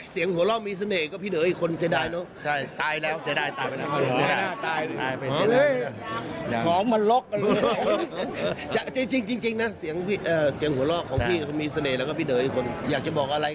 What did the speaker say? เสียงหัวล้อแกนี่มีเสน่ห์มากชวนให้หัวล้อ